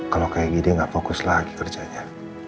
kalau kayak gini dia gak fokus lagi kerjanya